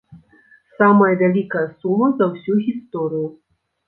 Самая вялікая сума за ўсю гісторыю.